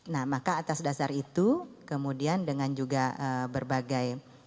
nah maka atas dasar itu kemudian dengan juga berbagai